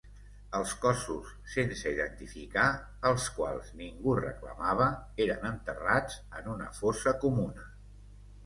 Els cossos sense identificar, els quals ningú reclamava, eren enterrats en una fossa comuna.